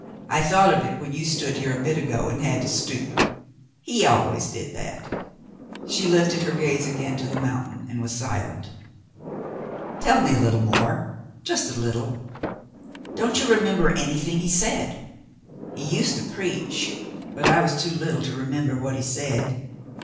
I thought of it when you stood here a bit ago and had to stoop. He always did that." She lifted her gaze again to the moun tain, and was silent. "Tell me a little more .^ Just a little.^ Don't you remember anything he said.'^" "He used to preach, but I was too little to remember what he said.